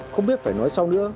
không biết phải nói sao nữa